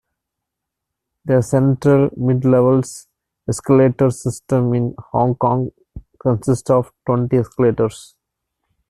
The Central-Midlevels escalator system in Hong Kong consists of twenty escalators.